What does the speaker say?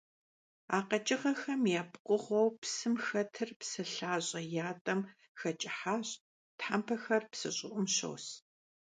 А къэкӀыгъэхэм я пкъыгъуэу псым хэтыр псы лъащӀэ ятӀэм хэкӀыхьащ, тхьэмпэхэр псы щӀыӀум щос.